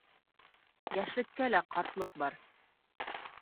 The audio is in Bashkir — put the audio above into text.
Йәшлеккә лә ҡартлыҡ бар